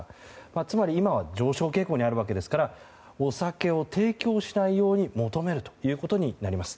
つまり今は上昇傾向にあるわけですからお酒を提供しないように求めるということになります。